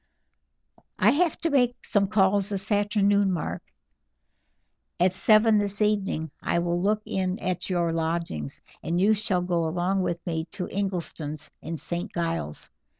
"I have to make some calls this afternoon, Mark. At seven this evening I will look in at your lodgings, and you shall go along with me to Ingleston's in St. Giles'.